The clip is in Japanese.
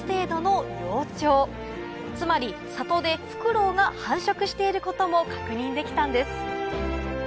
つまり里でフクロウが繁殖していることも確認できたんです